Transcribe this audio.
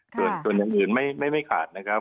ส่วนอื่นไม่ขาดนะครับ